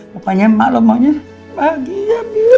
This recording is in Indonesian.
pokoknya ma lo maunya bahagia mir